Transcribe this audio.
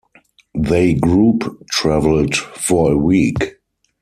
They group traveled for a week.